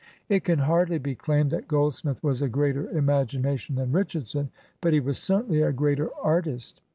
It can hardly be claimed that Goldsmith was a greater imagination than Richardson; but he was certainly a greater artist.